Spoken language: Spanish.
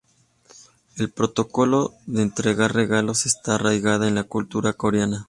El protocolo de entregar regalos está arraigado en la cultura coreana.